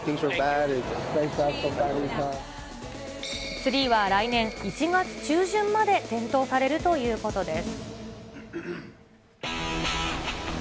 ツリーは来年１月中旬まで点灯されるということです。